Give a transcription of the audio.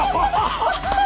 ハハハハ。